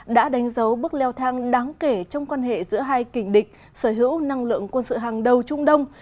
đã đánh dấu bước leo thang đáng kể trong quan hệ giữa hai kỉnh địch sở hữu năng lượng quân sự hàng đầu trung đông